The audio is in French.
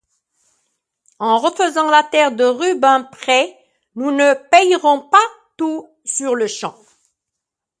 En refaisant la terre de Rubempré, nous ne paierons pas tout sur-le-champ.